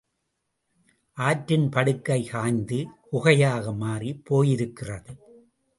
ஆற்றின் படுகை காய்ந்து, குகையாக மாறிப் போயிருக்கிறது.